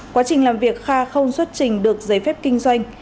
quá trình làm việc kha không xuất trình được giấy phép kinh doanh